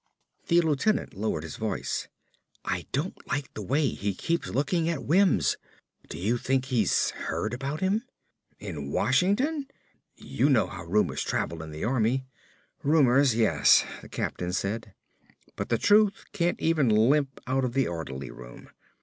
The lieutenant lowered his voice. "I don't like the way he keeps looking at Wims. Do you think he's heard about him?" "In Washington?" "You know how rumors travel in the Army." "Rumors, yes," the captain said, "but the truth can't even limp out of the orderly room."